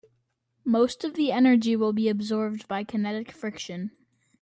Most of the energy will be absorbed by kinetic friction.